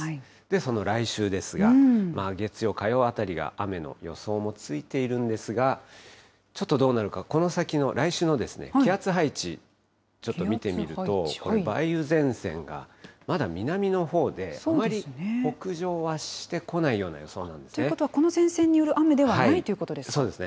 その来週ですが、月曜、火曜あたりは、雨の予想もついているんですが、ちょっとどうなるか、この先の来週の気圧配置、ちょっと見てみると、梅雨前線がまだ南のほうで、あまり北上はしてこないような予想なんですね。ということは、この前線による雨ではないということですか。